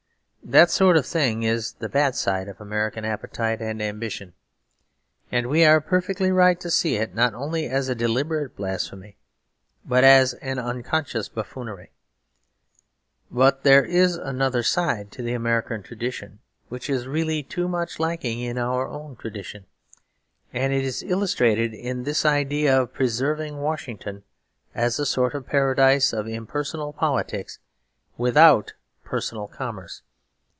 That sort of thing is the bad side of American appetite and ambition; and we are perfectly right to see it not only as a deliberate blasphemy but as an unconscious buffoonery. But there is another side to the American tradition, which is really too much lacking in our own tradition. And it is illustrated in this idea of preserving Washington as a sort of paradise of impersonal politics without personal commerce.